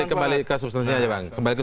kita kembali ke substansi aja bang